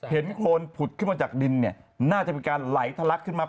เห็นโครนผุดขึ้นมาจากดินน่าจะเป็นการไหลทะลักขึ้นมา